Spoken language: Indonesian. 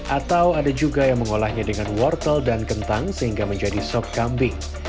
atau ada juga yang mengolahnya dengan wortel dan kentang sehingga menjadi sop kambing